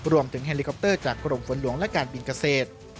รวมถึงแฮลรีคอปเตอร์จากกรมฝนลวงและการบินเกษตร